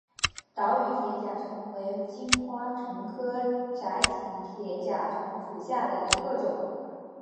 岛屿铁甲虫为金花虫科窄颈铁甲虫属下的一个种。